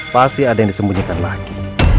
pasti ada yang disembunyikan lagi